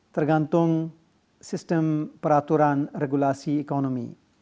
tergantung sistem peraturan regulasi ekonomi